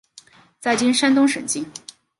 在今山东省境。